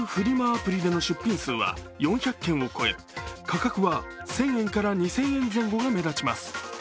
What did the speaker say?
アプリでの出品数は４００件を超え価格は１０００円から２０００円前後が目立ちます。